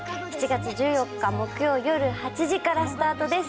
７月１４日木曜よる８時からスタートです。